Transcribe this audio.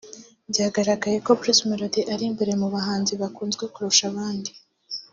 byagaragaye ko Bruce Melody ari imbere mu bahanzi bakunzwe kurusha abandi